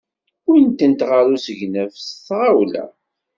Wwin-tent ɣer usegnaf s tɣawla.